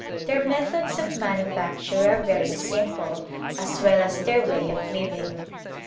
Their methods of manufacture are very simple as well as their way of living.